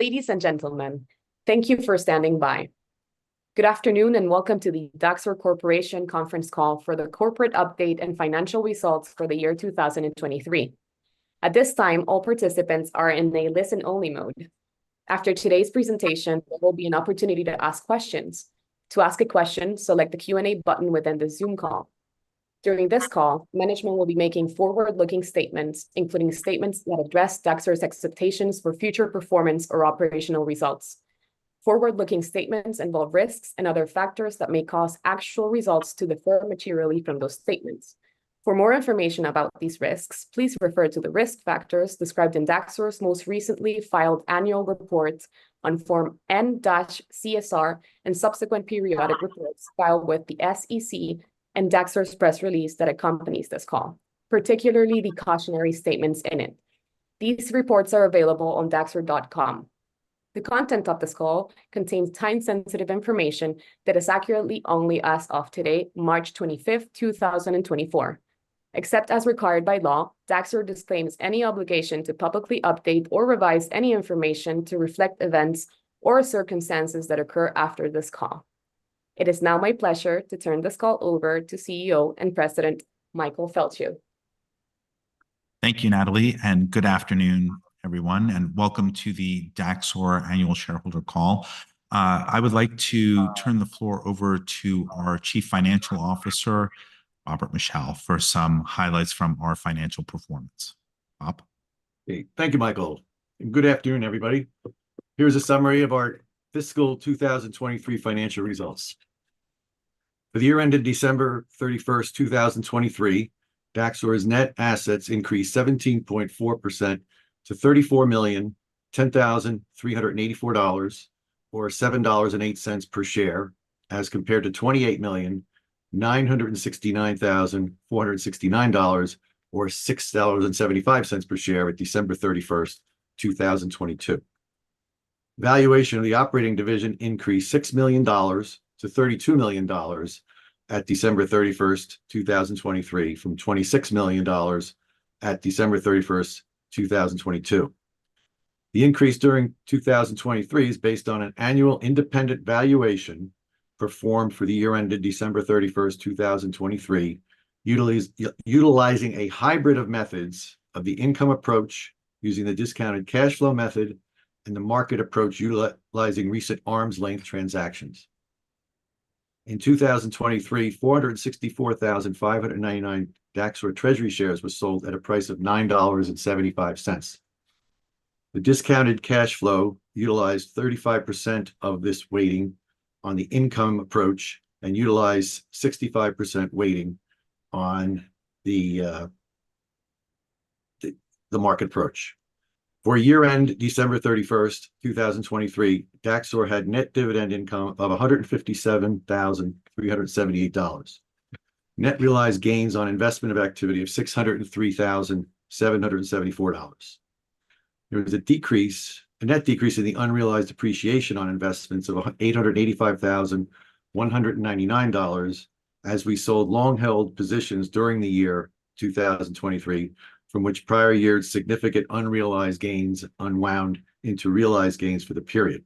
Ladies and gentlemen, thank you for standing by. Good afternoon and welcome to the Daxor Corporation conference call for the corporate update and financial results for the year 2023. At this time, all participants are in a listen-only mode. After today's presentation, there will be an opportunity to ask questions. To ask a question, select the Q&A button within the Zoom call. During this call, management will be making forward-looking statements, including statements that address Daxor's expectations for future performance or operational results. Forward-looking statements involve risks and other factors that may cause actual results to differ materially from those statements. For more information about these risks, please refer to the risk factors described in Daxor's most recently filed annual report on Form N-CSR and subsequent periodic reports filed with the SEC and Daxor's press release that accompanies this call, particularly the cautionary statements in it. These reports are available on daxor.com. The content of this call contains time-sensitive information that is accurate only as of today, March 25, 2024. Except as required by law, Daxor disclaims any obligation to publicly update or revise any information to reflect events or circumstances that occur after this call. It is now my pleasure to turn this call over to CEO and President Michael Feldschuh. Thank you, Natalie. Good afternoon, everyone, and welcome to the Daxor Annual Shareholder Call. I would like to turn the floor over to our Chief Financial Officer, Robert Michel, for some highlights from our financial performance. Bob? Thank you, Michael. And good afternoon, everybody. Here's a summary of our fiscal 2023 financial results. For the year ended December 31, 2023, Daxor's net assets increased 17.4% to $34,103,384, or $7.08 per share, as compared to $28,969,469, or $6.75 per share at December 31, 2022. Valuation of the operating division increased $6 million-$32 million at December 31, 2023, from $26 million at December 31, 2022. The increase during 2023 is based on an annual independent valuation performed for the year ended December 31, 2023, utilizing a hybrid of methods of the income approach using the discounted cash flow method and the market approach utilizing recent arm's length transactions. In 2023, 464,599 Daxor treasury shares were sold at a price of $9.75. The discounted cash flow utilized 35% of this weighting on the income approach and utilized 65% weighting on the market approach. For year-end December 31, 2023, Daxor had net dividend income of $157,378, net realized gains on investment activity of $603,774. There was a net decrease in the unrealized appreciation on investments of $885,199 as we sold long-held positions during the year 2023, from which prior year's significant unrealized gains unwound into realized gains for the period.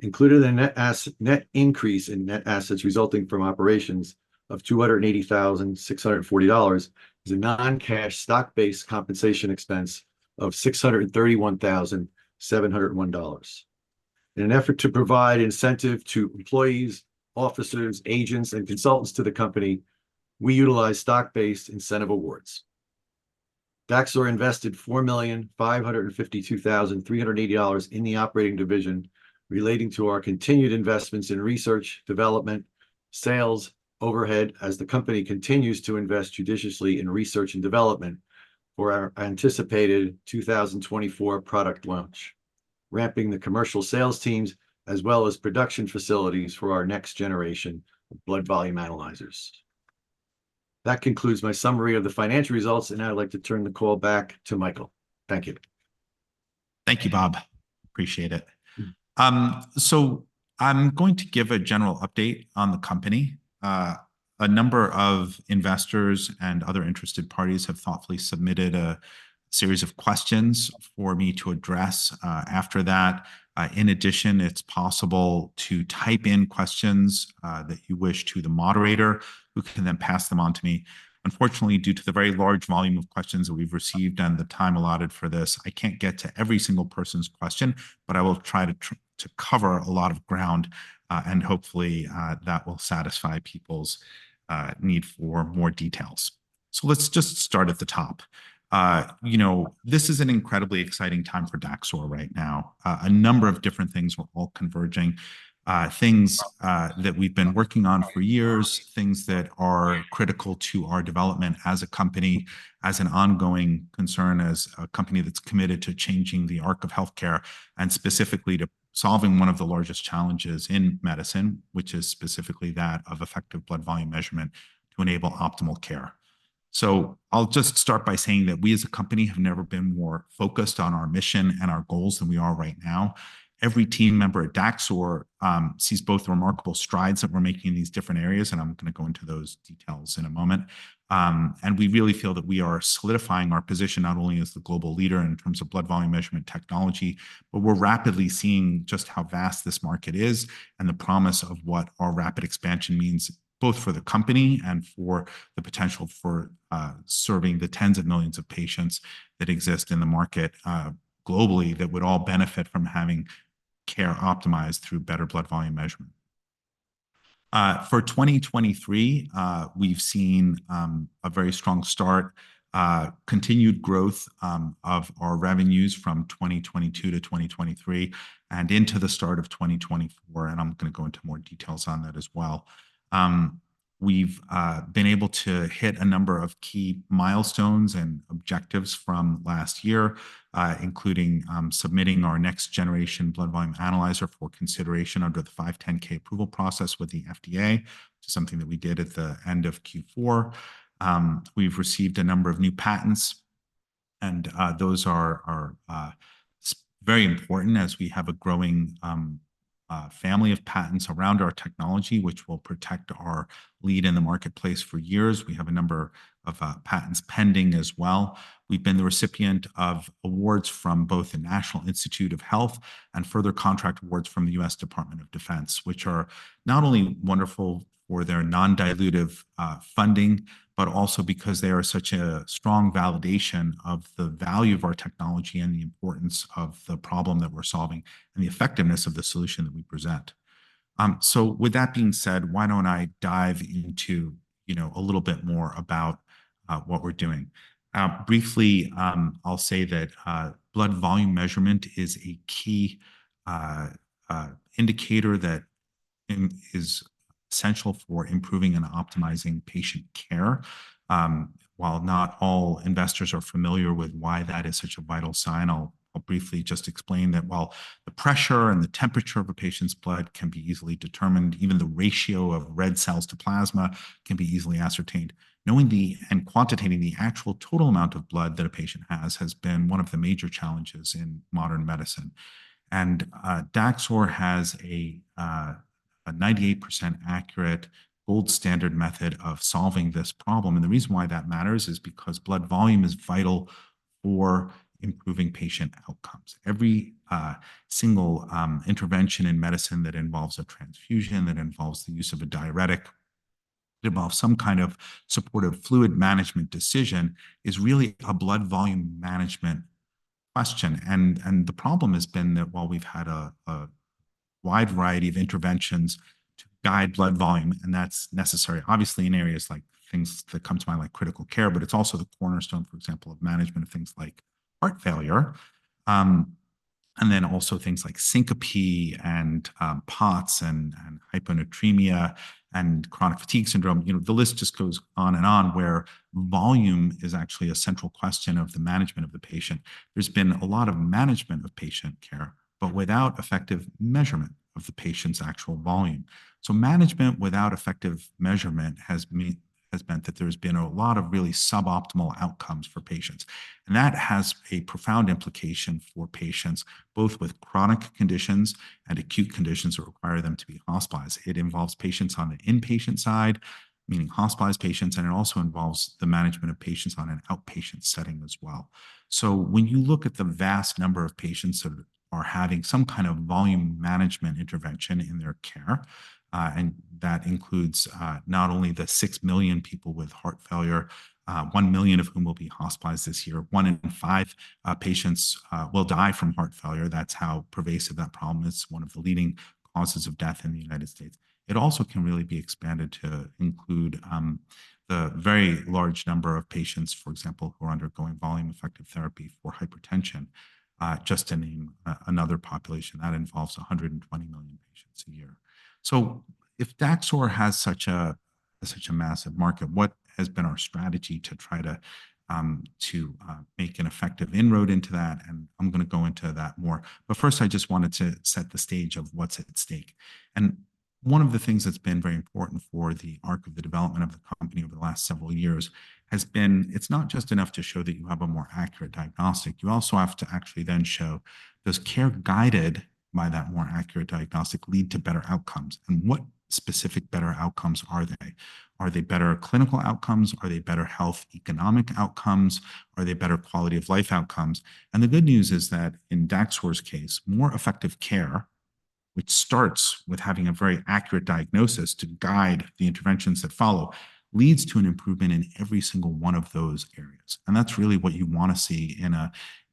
Included in the net increase in net assets resulting from operations of $280,640 is a non-cash stock-based compensation expense of $631,701. In an effort to provide incentive to employees, officers, agents, and consultants to the company, we utilize stock-based incentive awards. Daxor invested $4,552,380 in the operating division relating to our continued investments in research, development, sales, overhead as the company continues to invest judiciously in research and development for our anticipated 2024 product launch, ramping the commercial sales teams as well as production facilities for our next generation of blood volume analyzers. That concludes my summary of the financial results, and I'd like to turn the call back to Michael. Thank you. Thank you, Bob. Appreciate it. So I'm going to give a general update on the company. A number of investors and other interested parties have thoughtfully submitted a series of questions for me to address after that. In addition, it's possible to type in questions that you wish to the moderator, who can then pass them on to me. Unfortunately, due to the very large volume of questions that we've received and the time allotted for this, I can't get to every single person's question. But I will try to cover a lot of ground, and hopefully that will satisfy people's need for more details. So let's just start at the top. You know, this is an incredibly exciting time for Daxor right now. A number of different things are all converging. Things that we've been working on for years, things that are critical to our development as a company, as an ongoing concern, as a company that's committed to changing the arc of healthcare, and specifically to solving one of the largest challenges in medicine, which is specifically that of effective blood volume measurement to enable optimal care. So I'll just start by saying that we, as a company, have never been more focused on our mission and our goals than we are right now. Every team member at Daxor sees both the remarkable strides that we're making in these different areas. I'm going to go into those details in a moment. We really feel that we are solidifying our position not only as the global leader in terms of blood volume measurement technology, but we're rapidly seeing just how vast this market is and the promise of what our rapid expansion means, both for the company and for the potential for serving the tens of millions of patients that exist in the market globally that would all benefit from having care optimized through better blood volume measurement. For 2023, we've seen a very strong start, continued growth of our revenues from 2022-2023, and into the start of 2024. And I'm going to go into more details on that as well. We've been able to hit a number of key milestones and objectives from last year, including submitting our next-generation blood volume analyzer for consideration under the 510(k) approval process with the FDA, which is something that we did at the end of Q4. We've received a number of new patents. Those are very important as we have a growing family of patents around our technology, which will protect our lead in the marketplace for years. We have a number of patents pending as well. We've been the recipient of awards from both the National Institutes of Health and further contract awards from the U.S. Department of Defense, which are not only wonderful for their non-dilutive funding, but also because they are such a strong validation of the value of our technology and the importance of the problem that we're solving and the effectiveness of the solution that we present. So, with that being said, why don't I dive into, you know, a little bit more about what we're doing? Briefly, I'll say that blood volume measurement is a key indicator that is essential for improving and optimizing patient care. While not all investors are familiar with why that is such a vital sign, I'll briefly just explain that while the pressure and the temperature of a patient's blood can be easily determined, even the ratio of red cells to plasma can be easily ascertained, knowing and quantitating the actual total amount of blood that a patient has, has been one of the major challenges in modern medicine. Daxor has a 98% accurate gold standard method of solving this problem. The reason why that matters is because blood volume is vital for improving patient outcomes. Every single intervention in medicine that involves a transfusion, that involves the use of a diuretic, that involves some kind of supportive fluid management decision is really a blood volume management question. And the problem has been that while we've had a wide variety of interventions to guide blood volume, and that's necessary, obviously, in areas like things that come to mind like critical care. But it's also the cornerstone, for example, of management of things like heart failure. And then also things like syncope and POTS and hyponatremia and chronic fatigue syndrome. You know, the list just goes on and on where volume is actually a central question of the management of the patient. There's been a lot of management of patient care, but without effective measurement of the patient's actual volume. So, management without effective measurement has meant that there have been a lot of really suboptimal outcomes for patients. And that has a profound implication for patients, both with chronic conditions and acute conditions that require them to be hospitalized. It involves patients on the inpatient side, meaning hospitalized patients. And it also involves the management of patients on an outpatient setting as well. So, when you look at the vast number of patients that are having some kind of volume management intervention in their care, and that includes not only the 6 million people with heart failure, 1 million of whom will be hospitalized this year, 1 in 5 patients will die from heart failure. That's how pervasive that problem is. It's one of the leading causes of death in the United States. It also can really be expanded to include the very large number of patients, for example, who are undergoing volume-effective therapy for hypertension, just to name another population. That involves 120 million patients a year. So, if Daxor has such a massive market, what has been our strategy to try to make an effective inroad into that? And I'm going to go into that more. But first, I just wanted to set the stage of what's at stake. And one of the things that's been very important for the arc of the development of the company over the last several years has been it's not just enough to show that you have a more accurate diagnostic. You also have to actually then show does care guided by that more accurate diagnostic lead to better outcomes? And what specific better outcomes are they? Are they better clinical outcomes? Are they better health economic outcomes? Are they better quality of life outcomes? And the good news is that, in Daxor's case, more effective care, which starts with having a very accurate diagnosis to guide the interventions that follow, leads to an improvement in every single one of those areas. And that's really what you want to see in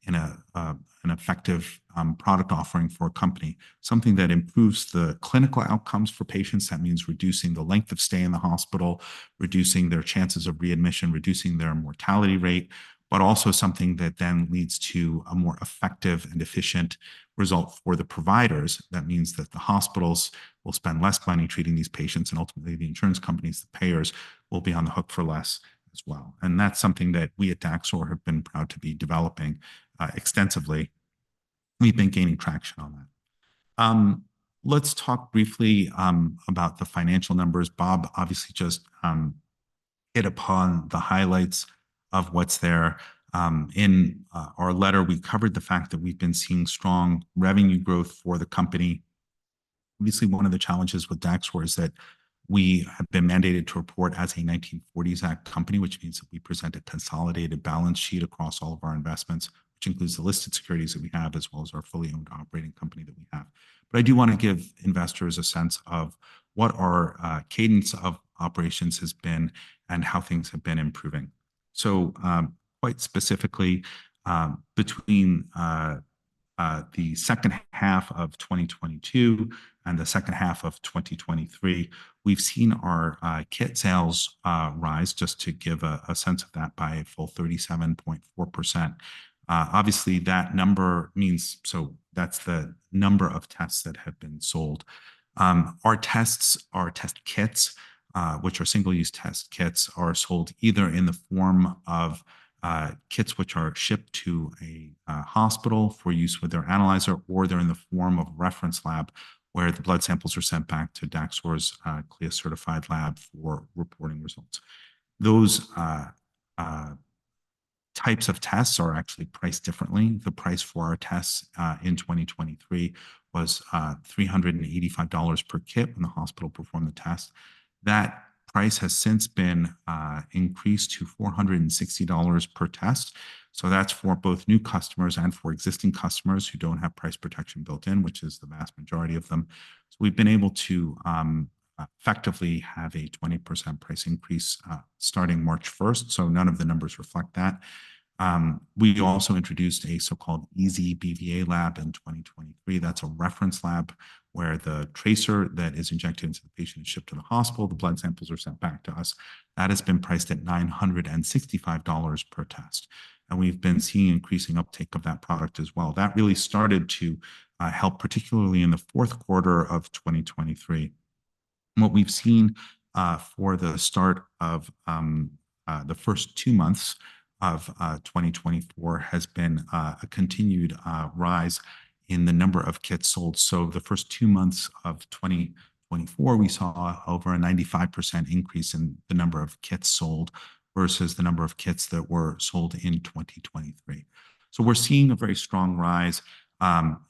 an effective product offering for a company. Something that improves the clinical outcomes for patients. That means reducing the length of stay in the hospital, reducing their chances of readmission, reducing their mortality rate. But also something that then leads to a more effective and efficient result for the providers. That means that the hospitals will spend less money treating these patients. And ultimately, the insurance companies, the payers, will be on the hook for less as well. That's something that we at Daxor have been proud to be developing extensively. We've been gaining traction on that. Let's talk briefly about the financial numbers. Bob obviously just hit upon the highlights of what's there. In our letter, we covered the fact that we've been seeing strong revenue growth for the company. Obviously, one of the challenges with Daxor is that we have been mandated to report as a 1940 Act company, which means that we present a consolidated balance sheet across all of our investments, which includes the listed securities that we have, as well as our fully owned operating company that we have. But I do want to give investors a sense of what our cadence of operations has been and how things have been improving. So, quite specifically, between the second half of 2022 and the second half of 2023, we've seen our kit sales rise, just to give a sense of that, by a full 37.4%. Obviously, that number, that's the number of tests that have been sold. Our tests, our test kits, which are single-use test kits, are sold either in the form of kits which are shipped to a hospital for use with their analyzer, or they're in the form of reference lab where the blood samples are sent back to Daxor's CLIA-certified lab for reporting results. Those types of tests are actually priced differently. The price for our tests in 2023 was $385 per kit when the hospital performed the test. That price has since been increased to $460 per test. So, that's for both new customers and for existing customers who don't have price protection built in, which is the vast majority of them. So, we've been able to effectively have a 20% price increase starting March 1. So, none of the numbers reflect that. We also introduced a so-called ezBVA Lab in 2023. That's a reference lab where the tracer that is injected into the patient is shipped to the hospital. The blood samples are sent back to us. That has been priced at $965 per test. And we've been seeing increasing uptake of that product as well. That really started to help, particularly in the Q4 of 2023. What we've seen for the start of the first two months of 2024 has been a continued rise in the number of kits sold. So, the first two months of 2024, we saw over a 95% increase in the number of kits sold versus the number of kits that were sold in 2023. So, we're seeing a very strong rise.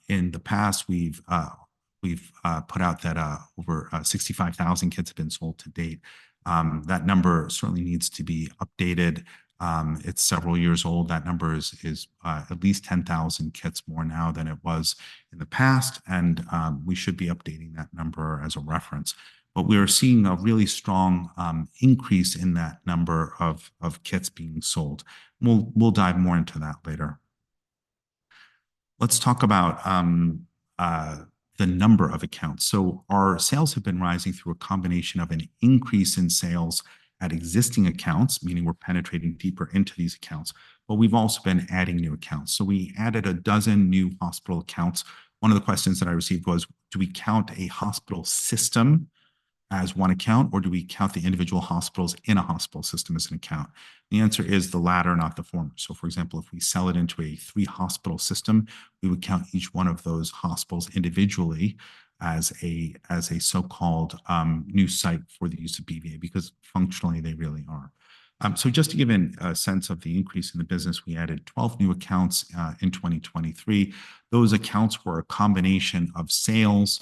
In the past, we've put out that over 65,000 kits have been sold to date. That number certainly needs to be updated. It's several years old. That number is at least 10,000 kits more now than it was in the past. And we should be updating that number as a reference. But we are seeing a really strong increase in that number of kits being sold. We'll dive more into that later. Let's talk about the number of accounts. So, our sales have been rising through a combination of an increase in sales at existing accounts, meaning we're penetrating deeper into these accounts. But we've also been adding new accounts. So, we added 12 new hospital accounts. One of the questions that I received was, do we count a hospital system as one account? Or do we count the individual hospitals in a hospital system as an account? The answer is the latter, not the former. So, for example, if we sell it into a 3-hospital system, we would count each one of those hospitals individually as a so-called new site for the use of BVA, because functionally, they really are. So, just to give a sense of the increase in the business, we added 12 new accounts in 2023. Those accounts were a combination of sales,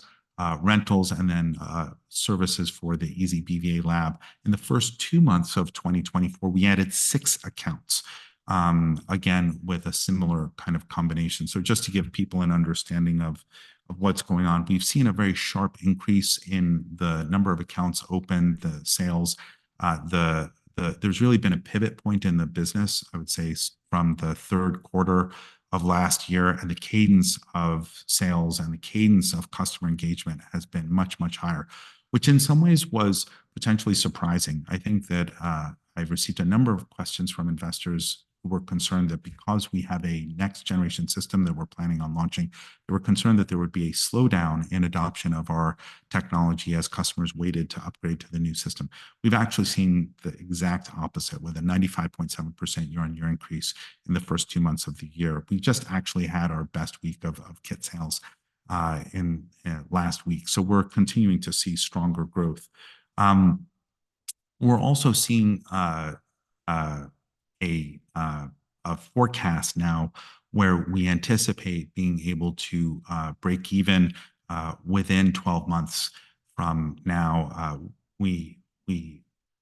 rentals, and then services for the ezBVA Lab. In the first two months of 2024, we added 6 accounts, again, with a similar kind of combination. So, just to give people an understanding of what's going on, we've seen a very sharp increase in the number of accounts open, the sales. There's really been a pivot point in the business, I would say, from the Q3 of last year. And the cadence of sales and the cadence of customer engagement has been much, much higher, which in some ways was potentially surprising. I think that I've received a number of questions from investors who were concerned that because we have a next-generation system that we're planning on launching, they were concerned that there would be a slowdown in adoption of our technology as customers waited to upgrade to the new system. We've actually seen the exact opposite, with a 95.7% year-on-year increase in the first two months of the year. We just actually had our best week of kit sales last week. So, we're continuing to see stronger growth. We're also seeing a forecast now where we anticipate being able to break even within 12 months from now. We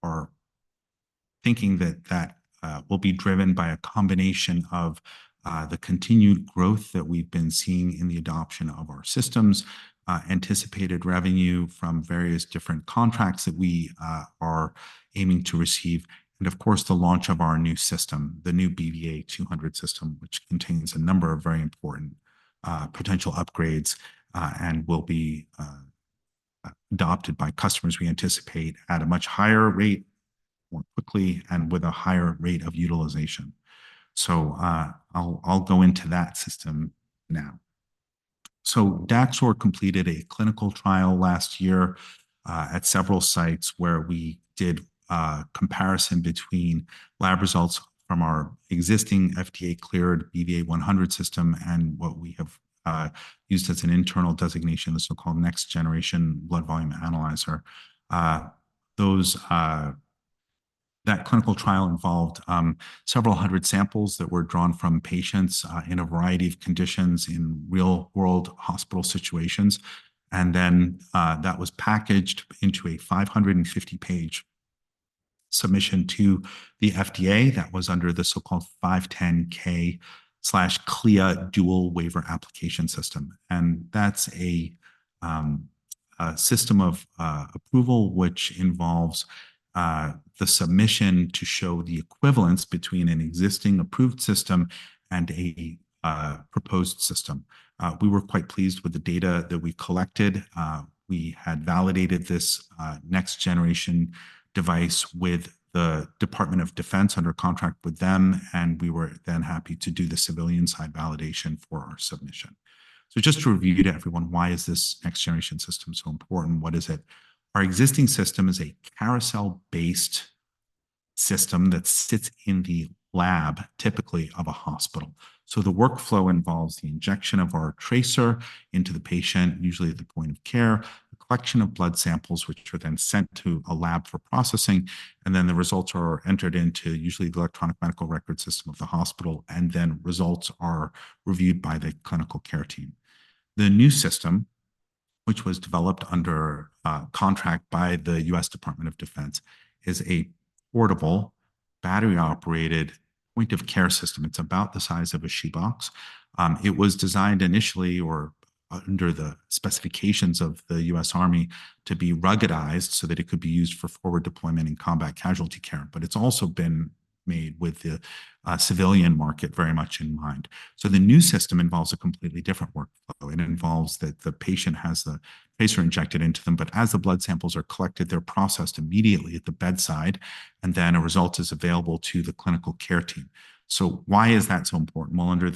are thinking that that will be driven by a combination of the continued growth that we've been seeing in the adoption of our systems, anticipated revenue from various different contracts that we are aiming to receive, and of course, the launch of our new system, the new BVA-200 system, which contains a number of very important potential upgrades and will be adopted by customers, we anticipate, at a much higher rate, more quickly, and with a higher rate of utilization. So, I'll go into that system now. So, Daxor completed a clinical trial last year at several sites where we did a comparison between lab results from our existing FDA-cleared BVA-100 system and what we have used as an internal designation, the so-called next-generation blood volume analyzer. That clinical trial involved several hundred samples that were drawn from patients in a variety of conditions in real-world hospital situations. And then that was packaged into a 550-page submission to the FDA. That was under the so-called 510(k)/CLIA dual waiver application system. And that's a system of approval, which involves the submission to show the equivalence between an existing approved system and a proposed system. We were quite pleased with the data that we collected. We had validated this next-generation device with the Department of Defense under contract with them. And we were then happy to do the civilian-side validation for our submission. So, just to review to everyone, why is this next-generation system so important? What is it? Our existing system is a carousel-based system that sits in the lab, typically, of a hospital. So, the workflow involves the injection of our tracer into the patient, usually at the point of care, a collection of blood samples, which are then sent to a lab for processing. And then the results are entered into, usually, the electronic medical record system of the hospital. And then results are reviewed by the clinical care team. The new system, which was developed under contract by the U.S. Department of Defense, is a portable, battery-operated point-of-care system. It's about the size of a shoebox. It was designed initially, or under the specifications of the U.S. Army, to be ruggedized so that it could be used for forward deployment in combat casualty care. But it's also been made with the civilian market very much in mind. So, the new system involves a completely different workflow. It involves that the patient has the tracer injected into them. But as the blood samples are collected, they're processed immediately at the bedside. And then a result is available to the clinical care team. So, why is that so important? Well, under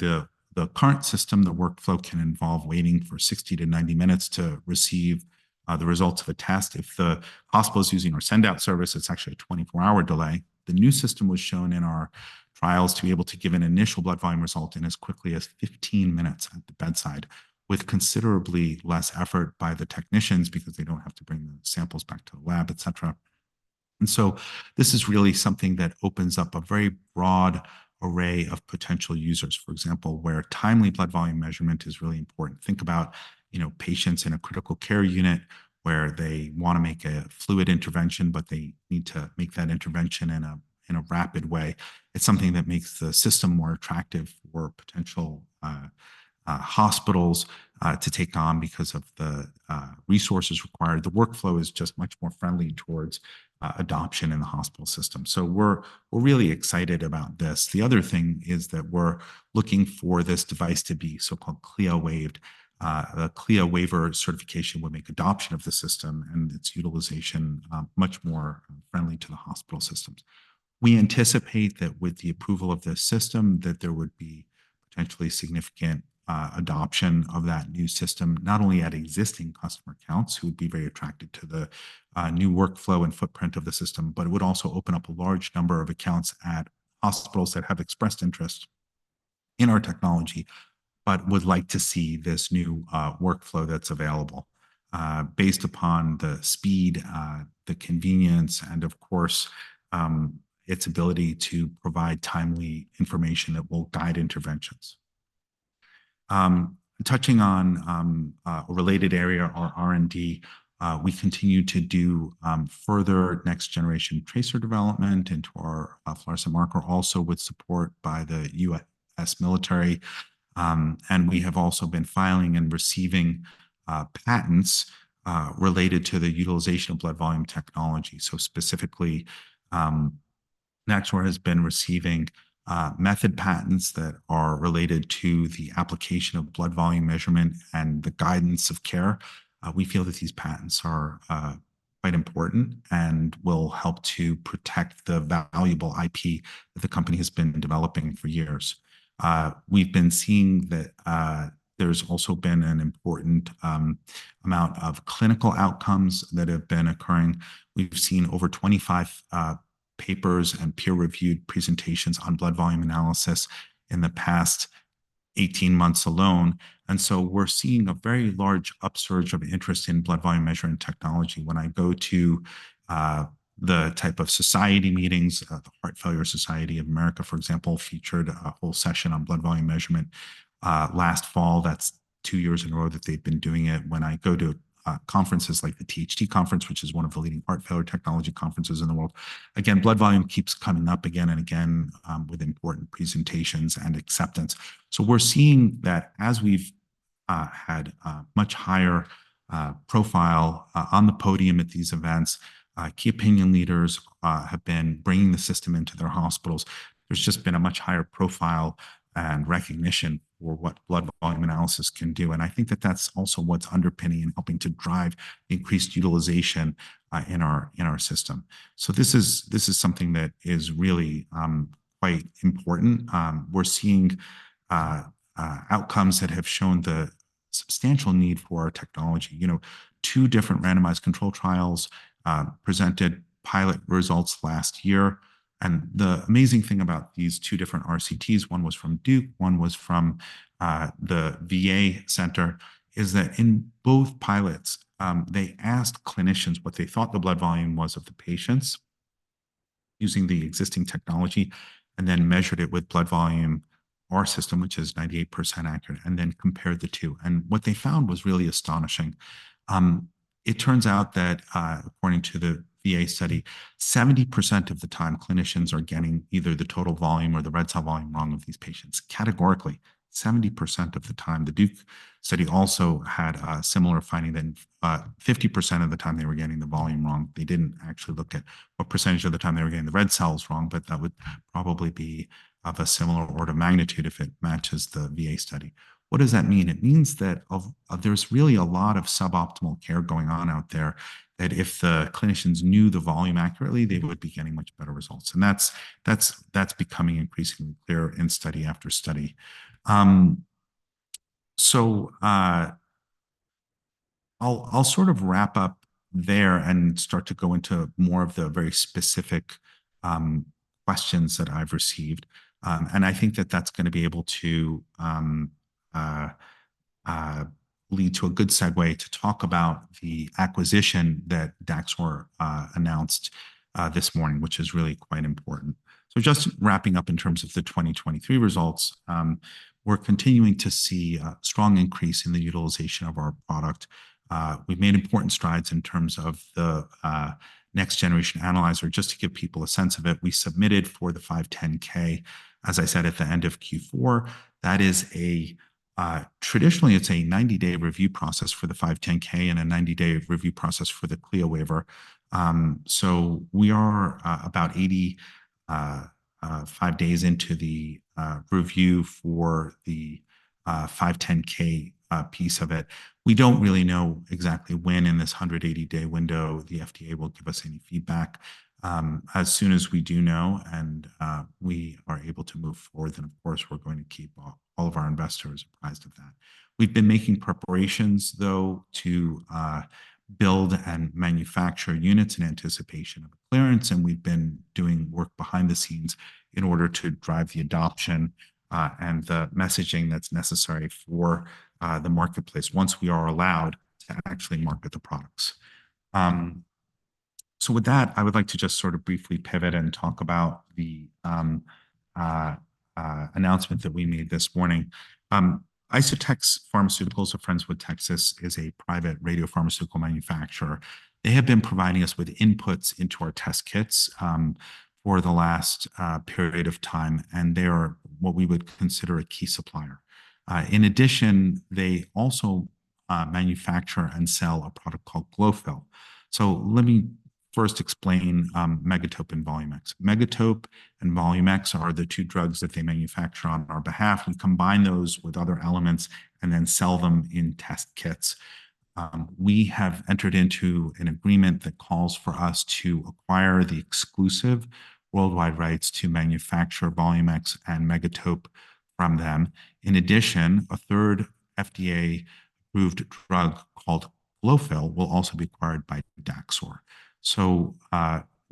the current system, the workflow can involve waiting for 60-90 minutes to receive the results of a test. If the hospital is using our send-out service, it's actually a 24-hour delay. The new system was shown in our trials to be able to give an initial blood volume result in as quickly as 15 minutes at the bedside, with considerably less effort by the technicians because they don't have to bring the samples back to the lab, etc. This is really something that opens up a very broad array of potential users, for example, where timely blood volume measurement is really important. Think about, you know, patients in a critical care unit where they want to make a fluid intervention, but they need to make that intervention in a rapid way. It's something that makes the system more attractive for potential hospitals to take on because of the resources required. The workflow is just much more friendly towards adoption in the hospital system. So, we're really excited about this. The other thing is that we're looking for this device to be so-called CLIA-waived. A CLIA waiver certification would make adoption of the system and its utilization much more friendly to the hospital systems. We anticipate that, with the approval of this system, that there would be potentially significant adoption of that new system, not only at existing customer accounts, who would be very attracted to the new workflow and footprint of the system. It would also open up a large number of accounts at hospitals that have expressed interest in our technology but would like to see this new workflow that's available based upon the speed, the convenience, and of course, its ability to provide timely information that will guide interventions. Touching on a related area, our R&D, we continue to do further next-generation tracer development into our fluorescent marker, also with support by the U.S. military. We have also been filing and receiving patents related to the utilization of blood volume technology. So, specifically, Daxor has been receiving method patents that are related to the application of blood volume measurement and the guidance of care. We feel that these patents are quite important and will help to protect the valuable IP that the company has been developing for years. We've been seeing that there's also been an important amount of clinical outcomes that have been occurring. We've seen over 25 papers and peer-reviewed presentations on blood volume analysis in the past 18 months alone. And so, we're seeing a very large upsurge of interest in blood volume measuring technology. When I go to the type of society meetings, the Heart Failure Society of America, for example, featured a whole session on blood volume measurement last fall. That's 2 years in a row that they've been doing it. When I go to conferences like the THT Conference, which is one of the leading heart failure technology conferences in the world, again, blood volume keeps coming up again and again with important presentations and acceptance. So, we're seeing that, as we've had a much higher profile on the podium at these events, key opinion leaders have been bringing the system into their hospitals. There's just been a much higher profile and recognition for what blood volume analysis can do. And I think that that's also what's underpinning and helping to drive increased utilization in our system. So, this is something that is really quite important. We're seeing outcomes that have shown the substantial need for our technology. You know, two different randomized control trials presented pilot results last year. The amazing thing about these two different RCTs, one was from Duke, one was from the VA Center, is that in both pilots, they asked clinicians what they thought the blood volume was of the patients using the existing technology and then measured it with BVA system, which is 98% accurate, and then compared the two. What they found was really astonishing. It turns out that, according to the VA study, 70% of the time, clinicians are getting either the total volume or the red cell volume wrong of these patients, categorically, 70% of the time. The Duke study also had a similar finding that 50% of the time, they were getting the volume wrong. They didn't actually look at what percentage of the time they were getting the red cells wrong. But that would probably be of a similar order of magnitude if it matches the VA study. What does that mean? It means that there's really a lot of suboptimal care going on out there. That if the clinicians knew the volume accurately, they would be getting much better results. And that's becoming increasingly clear in study after study. So, I'll sort of wrap up there and start to go into more of the very specific questions that I've received. And I think that that's going to be able to lead to a good segue to talk about the acquisition that Daxor announced this morning, which is really quite important. So, just wrapping up in terms of the 2023 results, we're continuing to see a strong increase in the utilization of our product. We've made important strides in terms of the next-generation analyzer. Just to give people a sense of it, we submitted for the 510(k), as I said, at the end of Q4. That is a traditionally, it's a 90-day review process for the 510(k) and a 90-day review process for the CLIA waiver. So, we are about 85 days into the review for the 510(k) piece of it. We don't really know exactly when, in this 180-day window, the FDA will give us any feedback. As soon as we do know and we are able to move forward, then, of course, we're going to keep all of our investors surprised of that. We've been making preparations, though, to build and manufacture units in anticipation of a clearance. And we've been doing work behind the scenes in order to drive the adoption and the messaging that's necessary for the marketplace once we are allowed to actually market the products. So, with that, I would like to just sort of briefly pivot and talk about the announcement that we made this morning. Iso-Tex Pharmaceuticals, a firm based in Texas, is a private radiopharmaceutical manufacturer. They have been providing us with inputs into our test kits for the last period of time. And they are what we would consider a key supplier. In addition, they also manufacture and sell a product called Glofil. So, let me first explain Megatope and Volumex. Megatope and Volumex are the two drugs that they manufacture on our behalf. We combine those with other elements and then sell them in test kits. We have entered into an agreement that calls for us to acquire the exclusive worldwide rights to manufacture Volumex and Megatope from them. In addition, a third FDA-approved drug called Glofil will also be acquired by Daxor. So,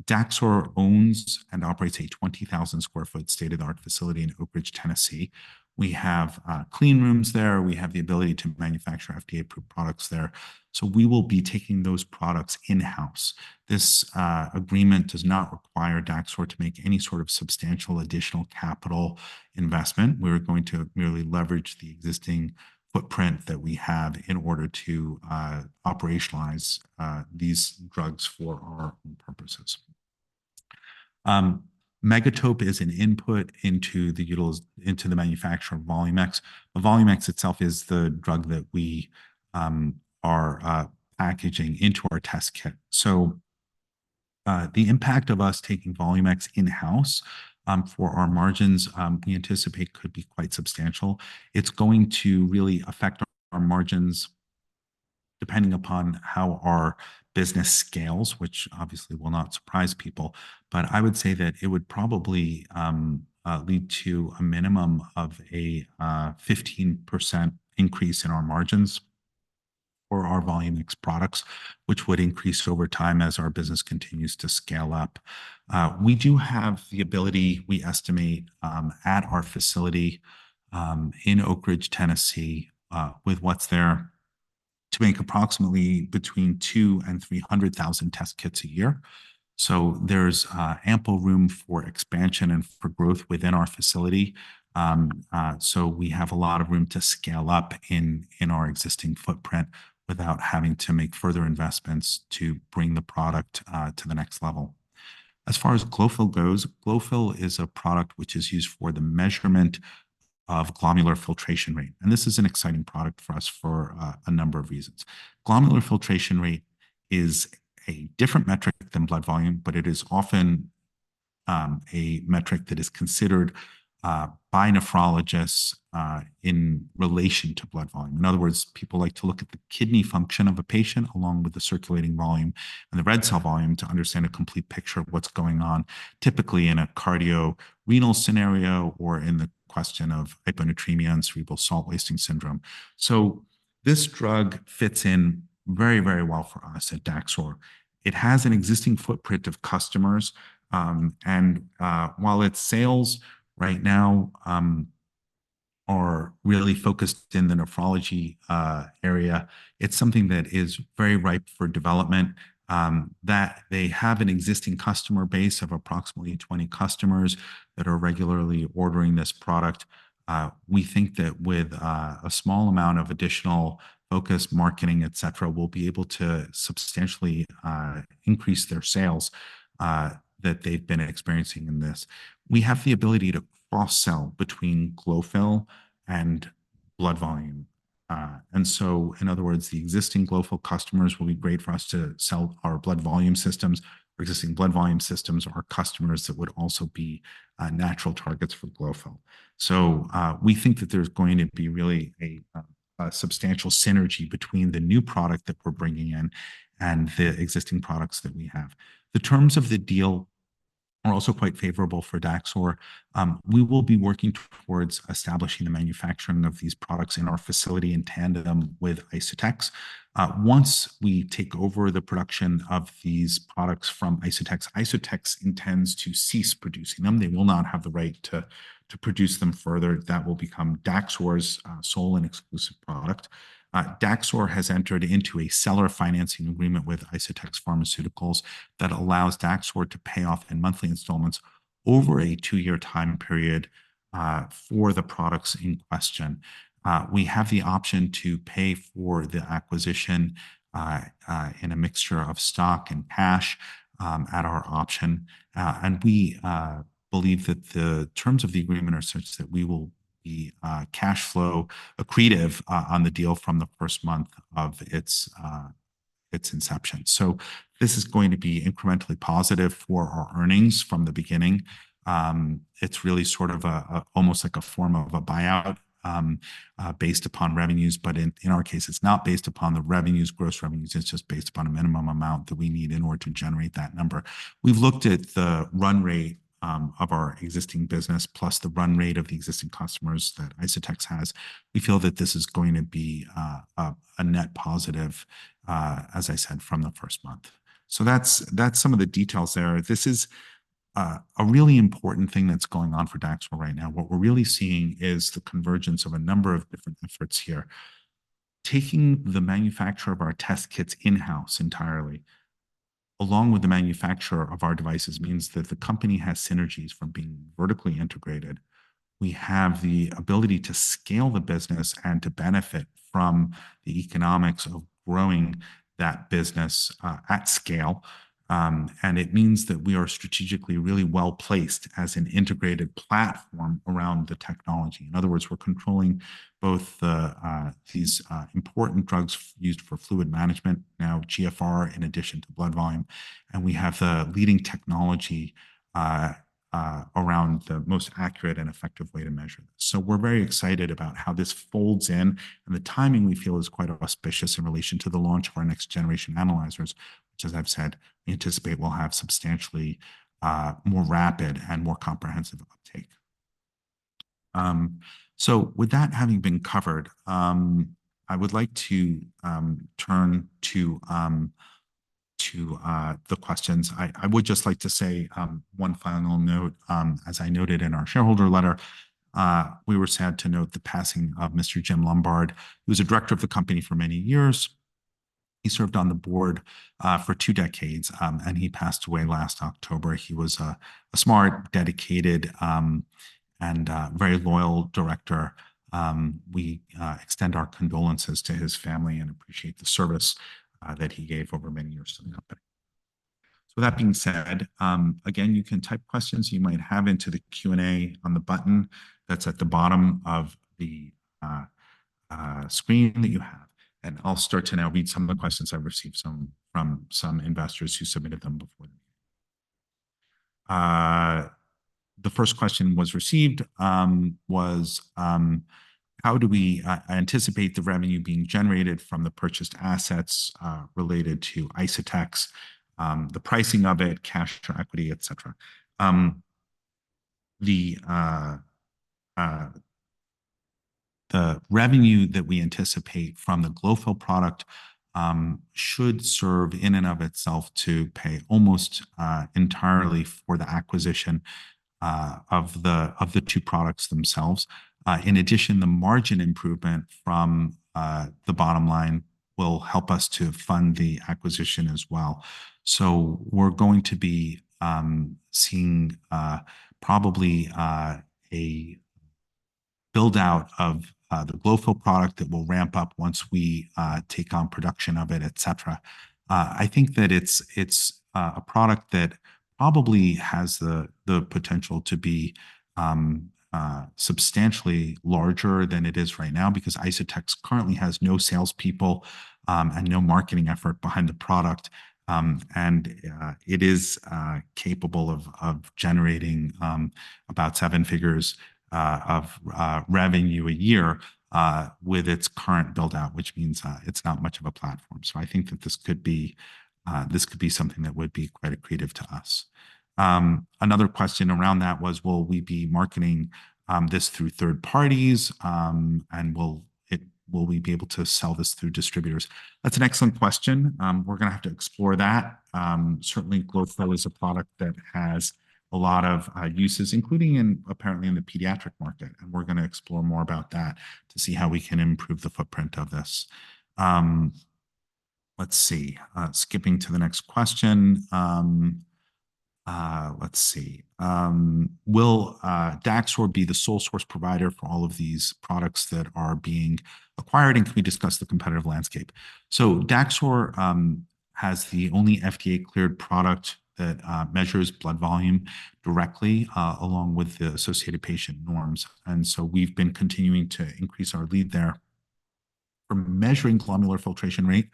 Daxor owns and operates a 20,000-square-foot state-of-the-art facility in Oak Ridge, Tennessee. We have clean rooms there. We have the ability to manufacture FDA-approved products there. So, we will be taking those products in-house. This agreement does not require Daxor to make any sort of substantial additional capital investment. We're going to merely leverage the existing footprint that we have in order to operationalize these drugs for our own purposes. Megatope is an input into the manufacture of Volumex. Volumex itself is the drug that we are packaging into our test kit. So, the impact of us taking Volumex in-house for our margins, we anticipate could be quite substantial. It's going to really affect our margins depending upon how our business scales, which obviously will not surprise people. But I would say that it would probably lead to a minimum of a 15% increase in our margins for our Volumex products, which would increase over time as our business continues to scale up. We do have the ability, we estimate, at our facility in Oak Ridge, Tennessee, with what's there, to make approximately between 2,000 and 300,000 test kits a year. So, there's ample room for expansion and for growth within our facility. So, we have a lot of room to scale up in our existing footprint without having to make further investments to bring the product to the next level. As far as Glofil goes, Glofil is a product which is used for the measurement of glomerular filtration rate. And this is an exciting product for us for a number of reasons. Glomerular filtration rate is a different metric than blood volume. But it is often a metric that is considered by nephrologists in relation to blood volume. In other words, people like to look at the kidney function of a patient along with the circulating volume and the red cell volume to understand a complete picture of what's going on, typically in a cardiorenal scenario or in the question of hyponatremia and cerebral salt wasting syndrome. So, this drug fits in very, very well for us at Daxor. It has an existing footprint of customers. And while its sales right now are really focused in the nephrology area, it's something that is very ripe for development. That they have an existing customer base of approximately 20 customers that are regularly ordering this product. We think that with a small amount of additional focus, marketing, etc., we'll be able to substantially increase their sales that they've been experiencing in this. We have the ability to cross-sell between Glofil and blood volume. And so, in other words, the existing Glofil customers will be great for us to sell our blood volume systems. Our existing blood volume systems are customers that would also be natural targets for Glofil. So, we think that there's going to be really a substantial synergy between the new product that we're bringing in and the existing products that we have. The terms of the deal are also quite favorable for Daxor. We will be working towards establishing the manufacturing of these products in our facility in tandem with Iso-Tex. Once we take over the production of these products from Iso-Tex, Iso-Tex intends to cease producing them. They will not have the right to produce them further. That will become Daxor's sole and exclusive product. Daxor has entered into a seller financing agreement with Iso-Tex Pharmaceuticals that allows Daxor to pay off in monthly installments over a two-year time period for the products in question. We have the option to pay for the acquisition in a mixture of stock and cash at our option. We believe that the terms of the agreement are such that we will be cash flow accretive on the deal from the first month of its inception. This is going to be incrementally positive for our earnings from the beginning. It's really sort of almost like a form of a buyout based upon revenues. In our case, it's not based upon the revenues, gross revenues. It's just based upon a minimum amount that we need in order to generate that number. We've looked at the run rate of our existing business, plus the run rate of the existing customers that Iso-Tex has. We feel that this is going to be a net positive, as I said, from the first month. So, that's some of the details there. This is a really important thing that's going on for Daxor right now. What we're really seeing is the convergence of a number of different efforts here. Taking the manufacturer of our test kits in-house entirely, along with the manufacturer of our devices, means that the company has synergies from being vertically integrated. We have the ability to scale the business and to benefit from the economics of growing that business at scale. It means that we are strategically really well placed as an integrated platform around the technology. In other words, we're controlling both these important drugs used for fluid management, now GFR, in addition to blood volume. And we have the leading technology around the most accurate and effective way to measure this. So, we're very excited about how this folds in. And the timing, we feel, is quite auspicious in relation to the launch of our next-generation analyzers, which, as I've said, we anticipate will have substantially more rapid and more comprehensive uptake. So, with that having been covered, I would like to turn to the questions. I would just like to say one final note. As I noted in our shareholder letter, we were sad to note the passing of Mr. Jim Lombard. He was a director of the company for many years. He served on the board for two decades. And he passed away last October. He was a smart, dedicated, and very loyal director. We extend our condolences to his family and appreciate the service that he gave over many years to the company. So, with that being said, again, you can type questions you might have into the Q&A on the button that's at the bottom of the screen that you have. And I'll start to now read some of the questions. I received some from some investors who submitted them before the meeting. The first question was received was, "How do we anticipate the revenue being generated from the purchased assets related to Iso-Tex, the pricing of it, cash or equity, etc.?" The revenue that we anticipate from the Glofil product should serve in and of itself to pay almost entirely for the acquisition of the two products themselves. In addition, the margin improvement from the bottom line will help us to fund the acquisition as well. So, we're going to be seeing probably a build-out of the Glofil product that will ramp up once we take on production of it, etc. I think that it's a product that probably has the potential to be substantially larger than it is right now. Because Iso-Tex currently has no salespeople and no marketing effort behind the product. And it is capable of generating about seven figures of revenue a year with its current build-out, which means it's not much of a platform. So, I think that this could be something that would be quite accretive to us. Another question around that was, "Will we be marketing this through third parties? And will we be able to sell this through distributors?" That's an excellent question. We're going to have to explore that. Certainly, Glofil is a product that has a lot of uses, including apparently in the pediatric market. And we're going to explore more about that to see how we can improve the footprint of this. Let's see. Skipping to the next question. Let's see. "Will Daxor be the sole source provider for all of these products that are being acquired? And can we discuss the competitive landscape?" So, Daxor has the only FDA-cleared product that measures blood volume directly, along with the associated patient norms. And so, we've been continuing to increase our lead there for measuring glomerular filtration rate.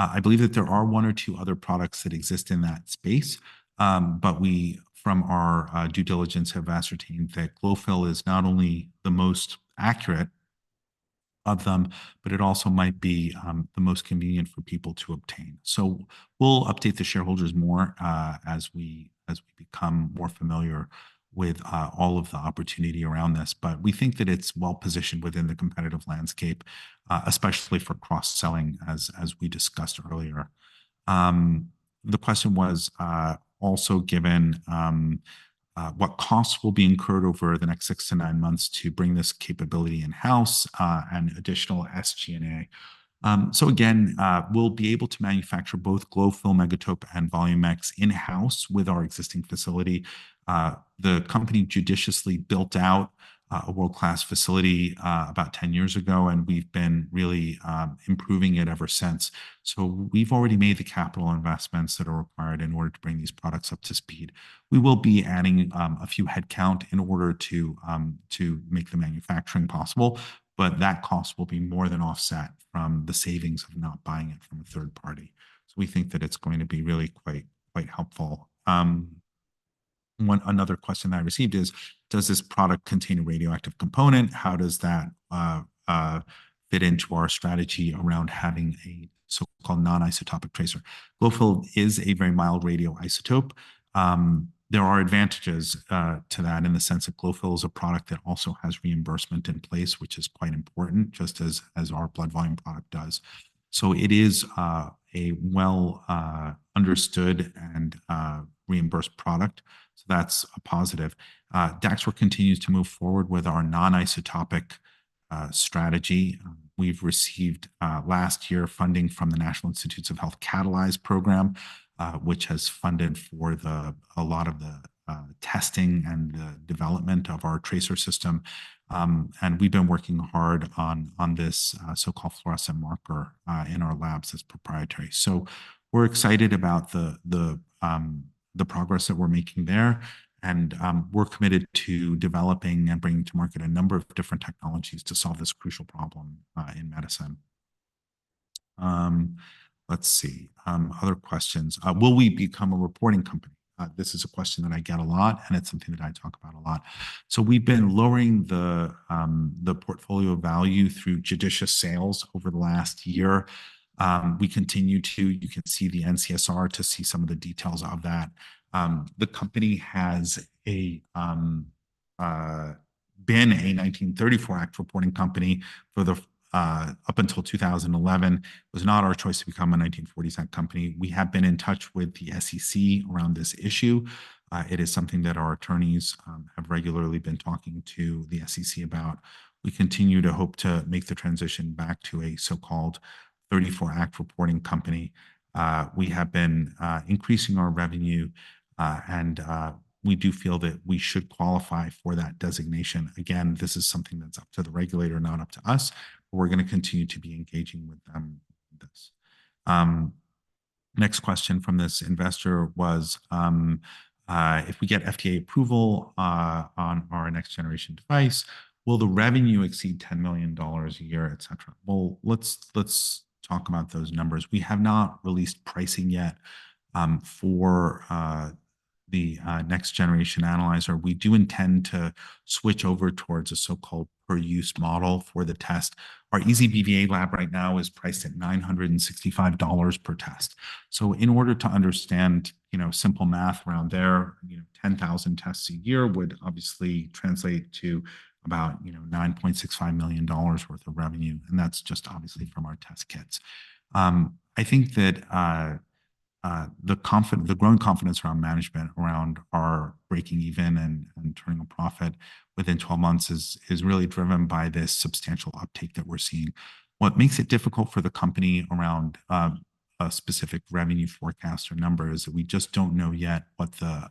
I believe that there are one or two other products that exist in that space. But we, from our due diligence, have ascertained that Glofil is not only the most accurate of them, but it also might be the most convenient for people to obtain. So, we'll update the shareholders more as we become more familiar with all of the opportunity around this. But we think that it's well positioned within the competitive landscape, especially for cross-selling, as we discussed earlier. The question was also given, "What costs will be incurred over the next 6-9 months to bring this capability in-house and additional SG&A?" So, again, we'll be able to manufacture both Glofil, Megatope, and Volumex in-house with our existing facility. The company judiciously built out a world-class facility about 10 years ago. We've been really improving it ever since. So, we've already made the capital investments that are required in order to bring these products up to speed. We will be adding a few headcount in order to make the manufacturing possible. But that cost will be more than offset from the savings of not buying it from a third party. So, we think that it's going to be really quite helpful. Another question that I received is, "Does this product contain a radioactive component? How does that fit into our strategy around having a so-called non-isotopic tracer?" Glofil is a very mild radioisotope. There are advantages to that in the sense that Glofil is a product that also has reimbursement in place, which is quite important, just as our blood volume product does. So, it is a well-understood and reimbursed product. So, that's a positive. Daxor continues to move forward with our non-isotopic strategy. We've received last year funding from the National Institutes of Health Catalyze Program, which has funded for a lot of the testing and the development of our tracer system. And we've been working hard on this so-called fluorescent marker in our labs as proprietary. So, we're excited about the progress that we're making there. And we're committed to developing and bringing to market a number of different technologies to solve this crucial problem in medicine. Let's see. Other questions. "Will we become a reporting company?" This is a question that I get a lot. And it's something that I talk about a lot. So, we've been lowering the portfolio value through judicious sales over the last year. We continue to. You can see the N-CSR to see some of the details of that. The company has been a 1934 Act reporting company up until 2011. It was not our choice to become a 1940 Act company. We have been in touch with the SEC around this issue. It is something that our attorneys have regularly been talking to the SEC about. We continue to hope to make the transition back to a so-called 1934 Act reporting company. We have been increasing our revenue. And we do feel that we should qualify for that designation. Again, this is something that's up to the regulator, not up to us. But we're going to continue to be engaging with them on this. Next question from this investor was, "If we get FDA approval on our next-generation device, will the revenue exceed $10 million a year, etc.?" Well, let's talk about those numbers. We have not released pricing yet for the next-generation analyzer. We do intend to switch over towards a so-called per-use model for the test. Our ezBVA Lab right now is priced at $965 per test. So, in order to understand, you know, simple math around there, you know, 10,000 tests a year would obviously translate to about, you know, $9.65 million worth of revenue. And that's just obviously from our test kits. I think that the growing confidence around management, around our breaking even and turning a profit within 12 months, is really driven by this substantial uptake that we're seeing. What makes it difficult for the company around a specific revenue forecast or number is that we just don't know yet what the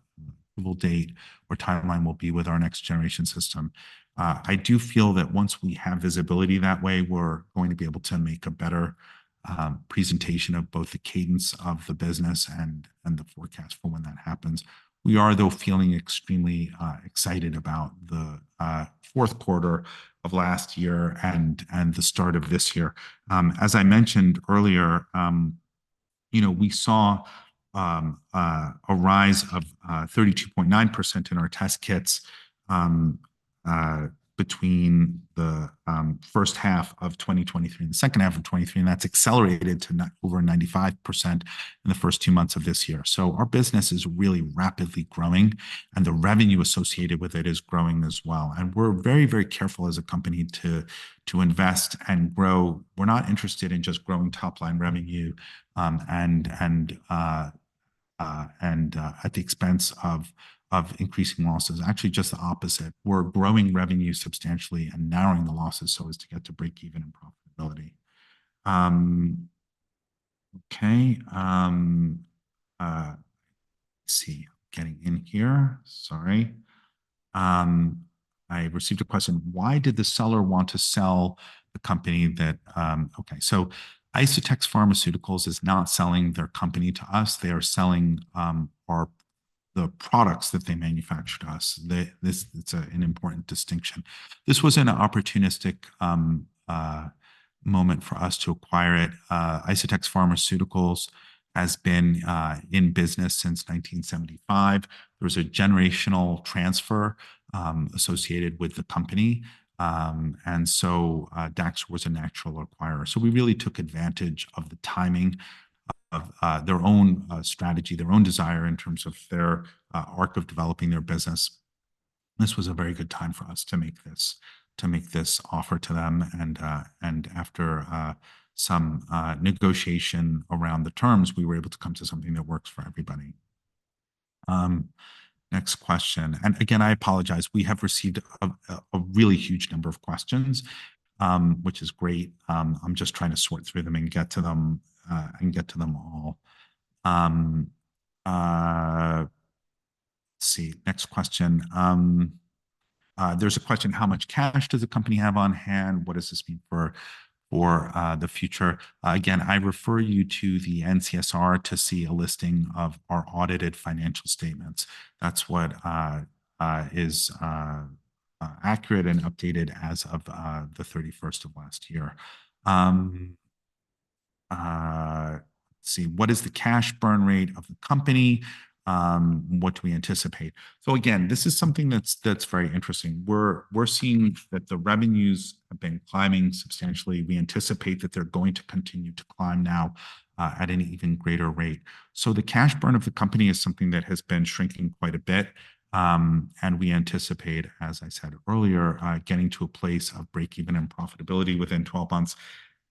approval date or timeline will be with our next-generation system. I do feel that once we have visibility that way, we're going to be able to make a better presentation of both the cadence of the business and the forecast for when that happens. We are, though, feeling extremely excited about the Q4 of last year and the start of this year. As I mentioned earlier, you know, we saw a rise of 32.9% in our test kits between the first half of 2023 and the second half of 2023. That's accelerated to over 95% in the first two months of this year. Our business is really rapidly growing. The revenue associated with it is growing as well. We're very, very careful as a company to invest and grow. We're not interested in just growing top-line revenue and at the expense of increasing losses. Actually, just the opposite. We're growing revenue substantially and narrowing the losses so as to get to break-even and profitability. Okay. Let's see. Getting in here. Sorry. I received a question. "Why did the seller want to sell the company that?" Okay. Iso-Tex Pharmaceuticals is not selling their company to us. They are selling the products that they manufacture to us. It's an important distinction. This was an opportunistic moment for us to acquire it. Iso-Tex Pharmaceuticals has been in business since 1975. There was a generational transfer associated with the company. And so, Daxor was a natural acquirer. So, we really took advantage of the timing of their own strategy, their own desire in terms of their arc of developing their business. This was a very good time for us to make this offer to them. And after some negotiation around the terms, we were able to come to something that works for everybody. Next question. And again, I apologize. We have received a really huge number of questions, which is great. I'm just trying to sort through them and get to them and get to them all. Let's see. Next question. There's a question. "How much cash does the company have on hand? What does this mean for the future?" Again, I refer you to the NCSR to see a listing of our audited financial statements. That's what is accurate and updated as of the 31st of last year. Let's see. "What is the cash burn rate of the company? What do we anticipate?" So, again, this is something that's very interesting. We're seeing that the revenues have been climbing substantially. We anticipate that they're going to continue to climb now at an even greater rate. So, the cash burn of the company is something that has been shrinking quite a bit. And we anticipate, as I said earlier, getting to a place of break-even and profitability within 12 months.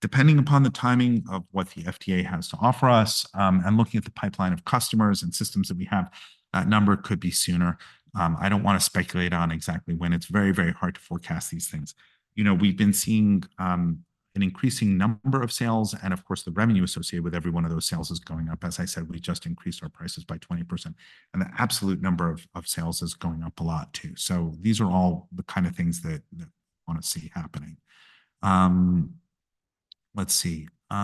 Depending upon the timing of what the FDA has to offer us and looking at the pipeline of customers and systems that we have, that number could be sooner. I don't want to speculate on exactly when. It's very, very hard to forecast these things. You know, we've been seeing an increasing number of sales. Of course, the revenue associated with every one of those sales is going up. As I said, we just increased our prices by 20%. And the absolute number of sales is going up a lot too. So, these are all the kind of things that I want to see happening. Let's see. Okay.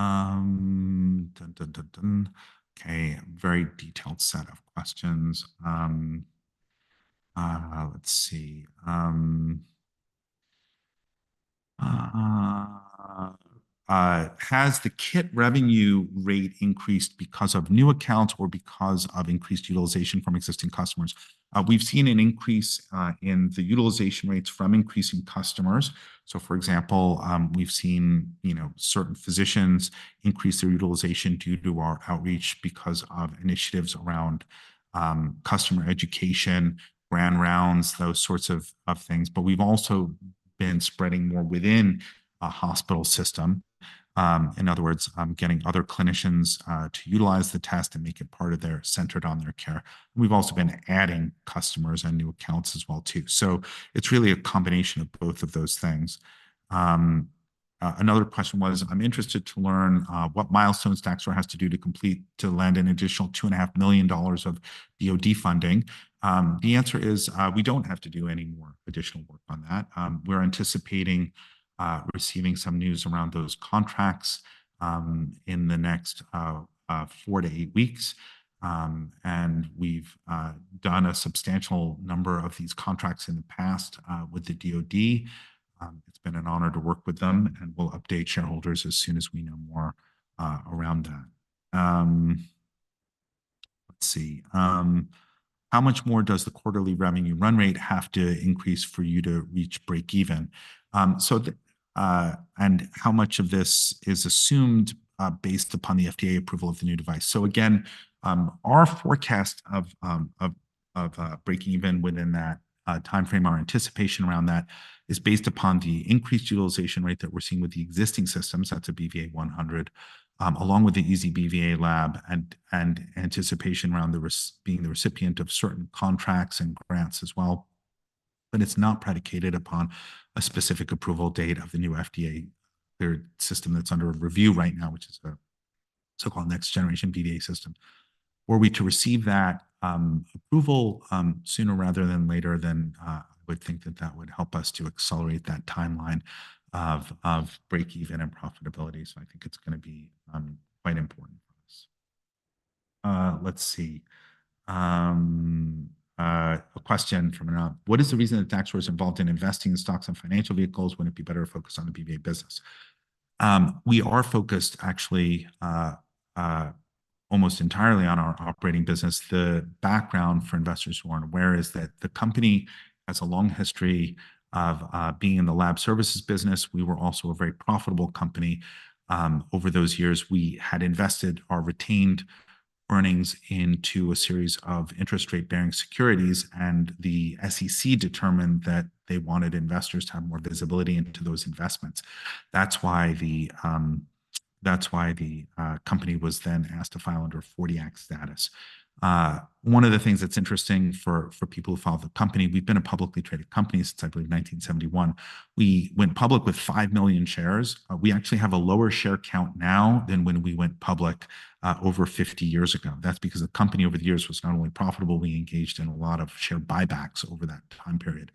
Very detailed set of questions. Let's see. "Has the kit revenue rate increased because of new accounts or because of increased utilization from existing customers?" We've seen an increase in the utilization rates from increasing customers. So, for example, we've seen, you know, certain physicians increase their utilization due to our outreach because of initiatives around customer education, grand rounds, those sorts of things. But we've also been spreading more within a hospital system. In other words, getting other clinicians to utilize the test and make it part of their centered on their care. And we've also been adding customers and new accounts as well too. So, it's really a combination of both of those things. Another question was, "I'm interested to learn what milestones Daxor has to do to complete to land an additional $2.5 million of DoD funding?" The answer is, we don't have to do any more additional work on that. We're anticipating receiving some news around those contracts in the next 4-8 weeks. And we've done a substantial number of these contracts in the past with the DoD. It's been an honor to work with them. And we'll update shareholders as soon as we know more around that. Let's see. "How much more does the quarterly revenue run rate have to increase for you to reach break-even?" So, and how much of this is assumed based upon the FDA approval of the new device? So, again, our forecast of breaking even within that timeframe, our anticipation around that, is based upon the increased utilization rate that we're seeing with the existing systems. That's a BVA-100, along with the ezBVA Lab and anticipation around being the recipient of certain contracts and grants as well. But it's not predicated upon a specific approval date of the new FDA system that's under review right now, which is a so-called next-generation BVA system. Were we to receive that approval sooner rather than later, then I would think that that would help us to accelerate that timeline of break-even and profitability. So, I think it's going to be quite important for us. Let's see. A question from an. "What is the reason that Daxor is involved in investing in stocks and financial vehicles? “Wouldn't it be better to focus on the BVA business?” We are focused actually almost entirely on our operating business. The background for investors who aren't aware is that the company has a long history of being in the lab services business. We were also a very profitable company. Over those years, we had invested our retained earnings into a series of interest rate-bearing securities. The SEC determined that they wanted investors to have more visibility into those investments. That's why the company was then asked to file under 1940 Act status. One of the things that's interesting for people who follow the company, we've been a publicly traded company since, I believe, 1971. We went public with 5 million shares. We actually have a lower share count now than when we went public over 50 years ago. That's because the company over the years was not only profitable, we engaged in a lot of share buybacks over that time period.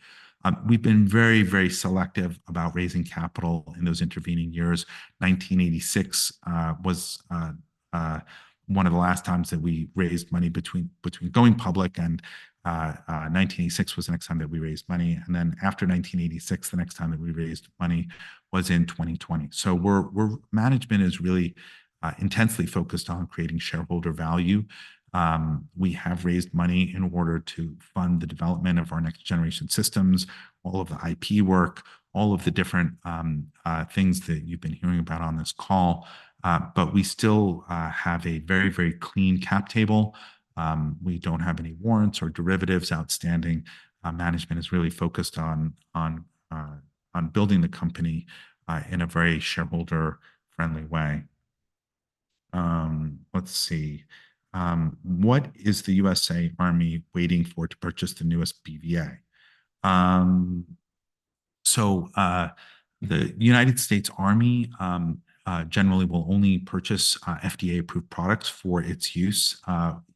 We've been very, very selective about raising capital in those intervening years. 1986 was one of the last time that we raised money between going public. 1986 was the next time that we raised money. Then, after 1986, the next time that we raised money was in 2020. So, management is really intensely focused on creating shareholder value. We have raised money in order to fund the development of our next-generation systems, all of the IP work, all of the different things that you've been hearing about on this call. But we still have a very, very clean cap table. We don't have any warrants or derivatives outstanding. Management is really focused on building the company in a very shareholder-friendly way. Let's see. What is the U.S. Army waiting for to purchase the newest BVA?" So, the United States Army generally will only purchase FDA-approved products for its use,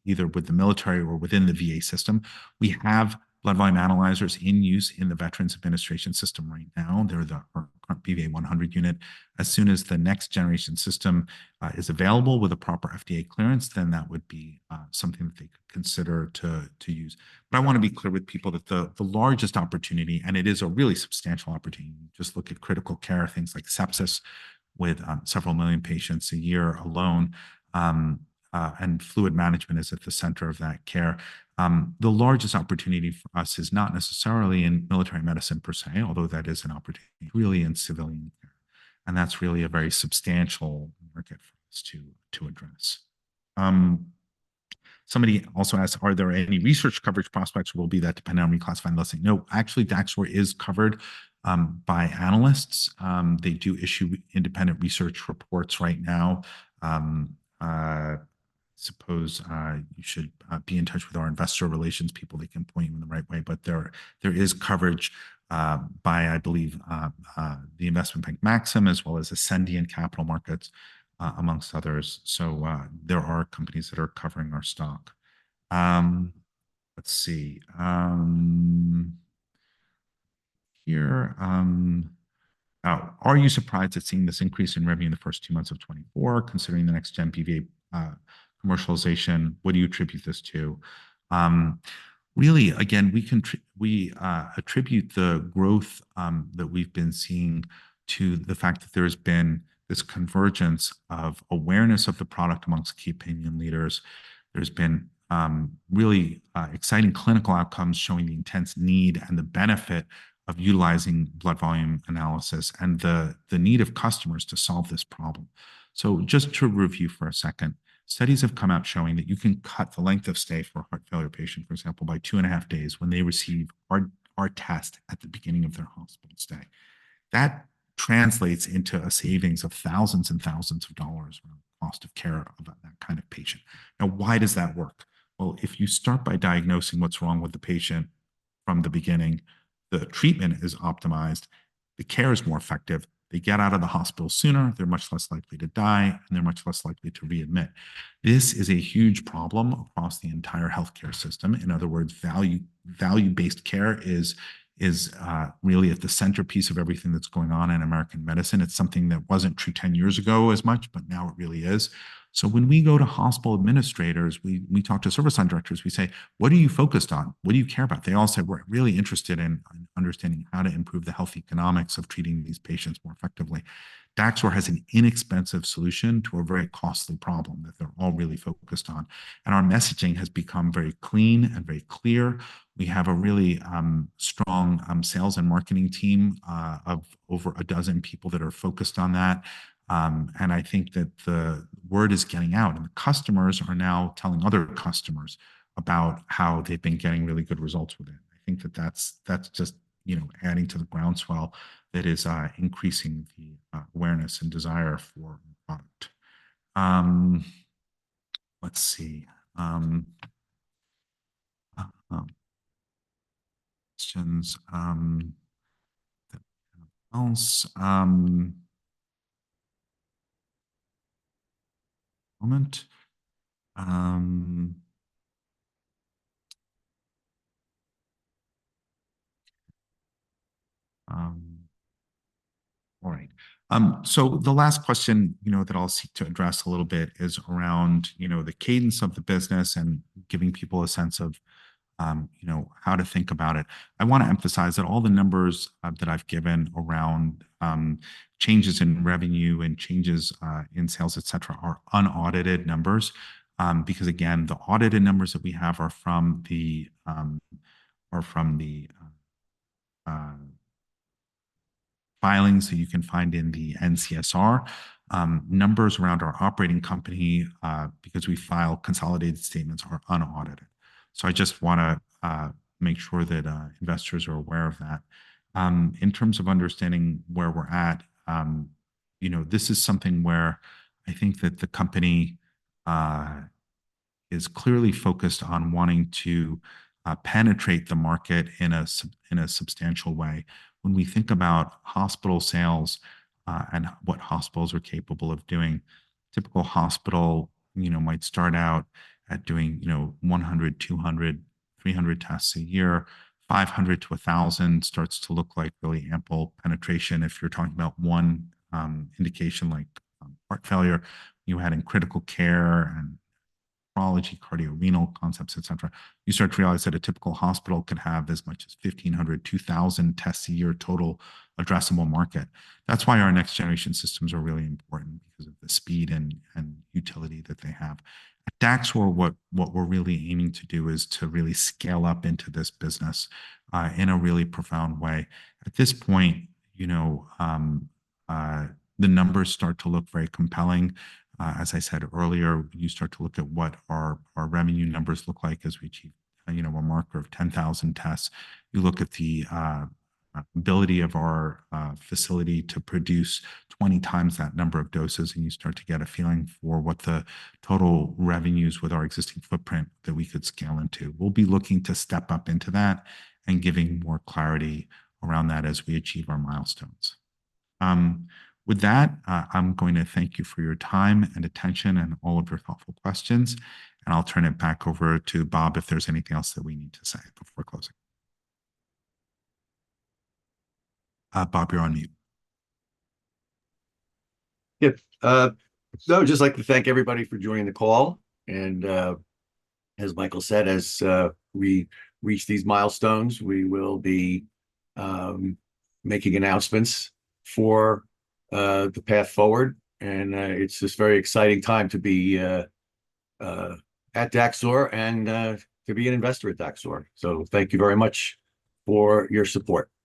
either with the military or within the VA system. We have blood volume analyzers in use in the Veterans Administration system right now. They're our current BVA-100 unit. As soon as the next-generation system is available with a proper FDA clearance, then that would be something that they could consider to use. But I want to be clear with people that the largest opportunity, and it is a really substantial opportunity, just look at critical care, things like sepsis with several million patients a year alone. And fluid management is at the center of that care. The largest opportunity for us is not necessarily in military medicine per se, although that is an opportunity. Really in civilian care. That's really a very substantial market for us to address. Somebody also asked, "Are there any research coverage prospects? Will be that dependent on reclassified listing?" No, actually, Daxor is covered by analysts. They do issue independent research reports right now. I suppose you should be in touch with our investor relations people. They can point you in the right way. But there is coverage by, I believe, the investment bank Maxim Group, as well as Ascendiant Capital Markets, among others. So, there are companies that are covering our stock. Let's see. Here. "Oh, are you surprised at seeing this increase in revenue in the first two months of 2024? Considering the next-gen BVA commercialization, what do you attribute this to?" Really, again, we attribute the growth that we've been seeing to the fact that there has been this convergence of awareness of the product among key opinion leaders. There's been really exciting clinical outcomes showing the intense need and the benefit of utilizing blood volume analysis and the need of customers to solve this problem. So, just to review for a second, studies have come out showing that you can cut the length of stay for a heart failure patient, for example, by 2.5 days when they receive our test at the beginning of their hospital stay. That translates into a savings of thousands and thousands of dollars around the cost of care of that kind of patient. Now, why does that work? Well, if you start by diagnosing what's wrong with the patient from the beginning, the treatment is optimized, the care is more effective, they get out of the hospital sooner, they're much less likely to die, and they're much less likely to readmit. This is a huge problem across the entire healthcare system. In other words, value-based care is really at the centerpiece of everything that's going on in American medicine. It's something that wasn't true 10 years ago as much, but now it really is. So, when we go to hospital administrators, we talk to service line directors. We say, "What are you focused on? What do you care about?" They all say, "We're really interested in understanding how to improve the health economics of treating these patients more effectively." Daxor has an inexpensive solution to a very costly problem that they're all really focused on. And our messaging has become very clean and very clear. We have a really strong sales and marketing team of over a dozen people that are focused on that. And I think that the word is getting out. And the customers are now telling other customers about how they've been getting really good results with it. I think that that's just, you know, adding to the groundswell that is increasing the awareness and desire for the product. Let's see. Questions that we have else? Moment. All right. So, the last question, you know, that I'll seek to address a little bit is around, you know, the cadence of the business and giving people a sense of, you know, how to think about it. I want to emphasize that all the numbers that I've given around changes in revenue and changes in sales, etc., are unaudited numbers. Because, again, the audited numbers that we have are from the filings that you can find in the N-CSR. Numbers around our operating company, because we file consolidated statements, are unaudited. So, I just want to make sure that investors are aware of that. In terms of understanding where we're at, you know, this is something where I think that the company is clearly focused on wanting to penetrate the market in a substantial way. When we think about hospital sales and what hospitals are capable of doing, typical hospital, you know, might start out at doing, you know, 100, 200, 300 tests a year. 500-1,000 starts to look like really ample penetration. If you're talking about one indication like heart failure you had in critical care and cardiorenal concepts, etc., you start to realize that a typical hospital could have as much as 1,500-2,000 tests a year total addressable market. That's why our next-generation systems are really important, because of the speed and utility that they have. At Daxor, what we're really aiming to do is to really scale up into this business in a really profound way. At this point, you know, the numbers start to look very compelling. As I said earlier, you start to look at what our revenue numbers look like as we achieve, you know, a marker of 10,000 tests. You look at the ability of our facility to produce 20x that number of doses. And you start to get a feeling for what the total revenues with our existing footprint that we could scale into. We'll be looking to step up into that and giving more clarity around that as we achieve our milestones. With that, I'm going to thank you for your time and attention and all of your thoughtful questions. And I'll turn it back over to Bob if there's anything else that we need to say before closing. Bob, you're on mute. Yep. So, I would just like to thank everybody for joining the call. As Michael said, as we reach these milestones, we will be making announcements for the path forward. It's this very exciting time to be at Daxor and to be an investor at Daxor. Thank you very much for your support.